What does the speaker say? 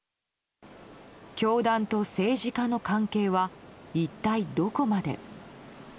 教団と政治家の関係は一体どこまで。